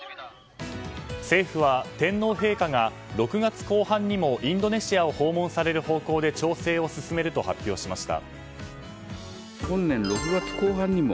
政府は天皇陛下が６月後半にもインドネシアを訪問される方向で調整を進めると発表しました。